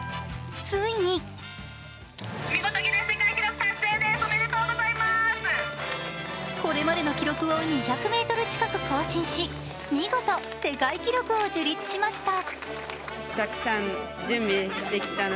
ついにこれまでの記録を２００ｍ近く更新し、見事、世界記録を樹立しました。